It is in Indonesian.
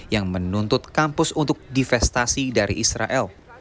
yang menuntut kampus untuk divestasi dari israel